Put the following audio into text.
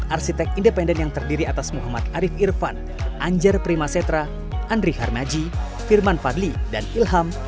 arsitek independen yang terdiri atas muhammad arief irfan anjar primasetra andri harmaji firman fadli dan ilham